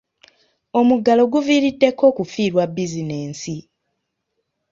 Omuggalo guviiriddeko okufiirwa bizinensi.